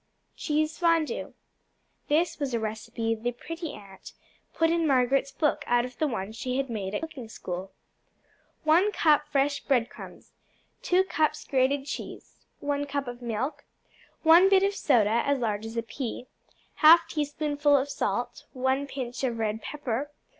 Cheese Fondu This was a recipe the Pretty Aunt put in Margaret's book out of the one she had made at cooking school. 1 cup fresh bread crumbs. 2 cups grated cheese. 1 cup of milk. 1 bit of soda as large as a pea. 1/2 teaspoonful of salt. 1 pinch of red pepper.